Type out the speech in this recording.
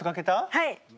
はい！